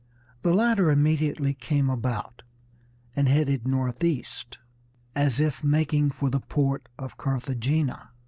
The latter immediately came about, and headed northeast, as if making for the port of Carthagena.